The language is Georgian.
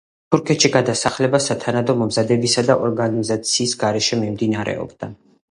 თურქეთში გადასახლება სათანადო მომზადებისა და ორგანიზაციის გარეშე მიმდინარეობდა.